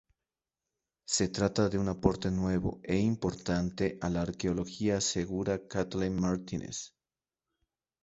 Se trata de un aporte nuevo e importante a la arqueología asegura Kathleen Martínez.